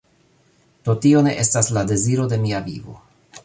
Do tio ne estas la deziro de mia vivo